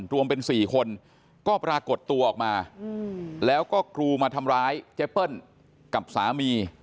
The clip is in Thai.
รวมเป็น๔คนก็ปรากฏตัวออกมาแล้วก็กรูมาทำร้ายเจเปิ้ลกับสามี